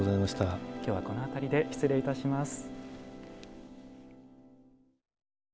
きょうはこの辺りで失礼いたします。